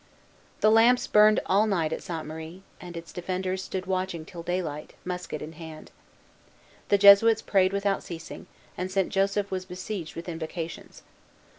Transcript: The lamps burned all night at Sainte Marie, and its defenders stood watching till daylight, musket in hand. The Jesuits prayed without ceasing, and Saint Joseph was besieged with invocations.